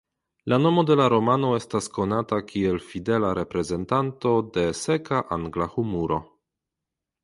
La nomo de la romano estas konata kiel fidela reprezentanto de seka angla humuro.